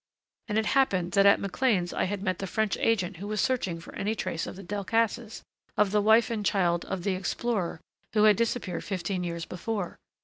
And it happened that at McLean's I had met the French agent who was searching for any trace of the Delcassés, of the wife and child of the explorer who had disappeared fifteen years before.